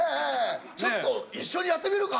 ちょっと一緒にやってみるか？